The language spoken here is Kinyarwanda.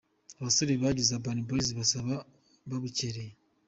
Abasore bagize Urban Boys bazaba babucyereye.